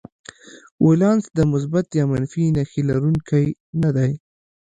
ولانس د مثبت یا منفي نښې لرونکی نه دی.